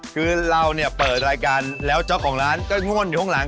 คือเราเนี่ยเปิดรายการแล้วเจ้าของร้านก็ง่วนอยู่ข้างหลัง